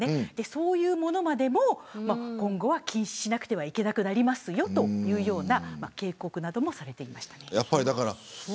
そういうものまでも今後は禁止しなくてはいけなくなりますよというような警告などもされています。